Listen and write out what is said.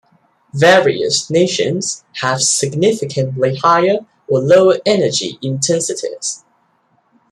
Various nations have significantly higher or lower energy intensities.